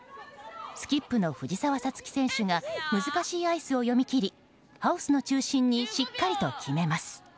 スキップの藤澤五月選手が難しいアイスを読み切りハウスの中心にしっかりと決めます。